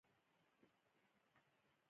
د بدن د پوستکي د سپینولو لپاره څه شی وکاروم؟